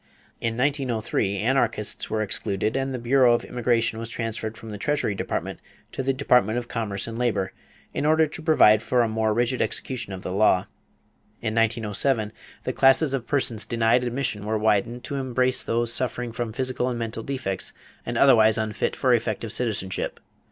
In 1903, anarchists were excluded and the bureau of immigration was transferred from the Treasury Department to the Department of Commerce and Labor, in order to provide for a more rigid execution of the law. In 1907 the classes of persons denied admission were widened to embrace those suffering from physical and mental defects and otherwise unfit for effective citizenship.